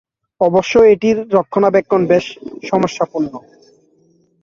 অবশ্য এটির রক্ষণাবেক্ষণ বেশ সমস্যাপূর্ণ।